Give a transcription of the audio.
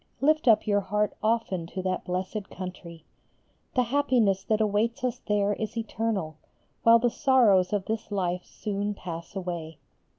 Lift up your heart often to that blessed country. The happiness that awaits us there is eternal, while the sorrows of this life soon pass away.